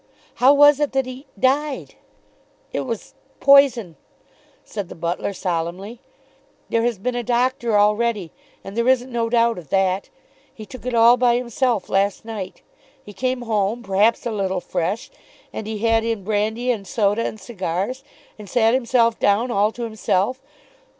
How was it that he died?" "It was poison," said the butler solemnly. "There has been a doctor already, and there isn't no doubt of that. He took it all by himself last night. He came home, perhaps a little fresh, and he had in brandy and soda and cigars; and sat himself down all to himself.